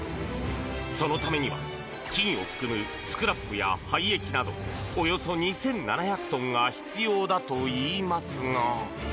そのためには金を含むスクラップや廃液などおよそ２７００トンが必要だといいますが。